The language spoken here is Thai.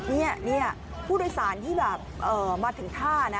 เนี่ยเนี่ยพูดโดยศาลที่แบบมาถึงท่านะ